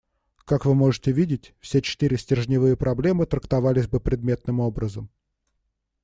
Как вы можете видеть, все четыре стержневые проблемы трактовались бы предметным образом.